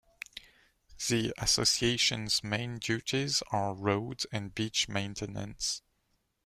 The associations' main duties are road and beach maintenance.